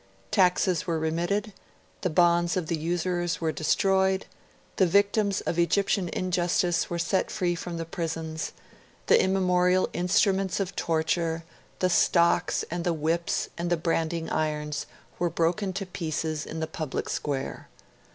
Taxes were remitted, the bonds of the usurers were destroyed, the victims of Egyptian injustice were set free from the prisons; the immemorial instruments of torture the stocks and the whips and the branding irons were broken to pieces in the public square.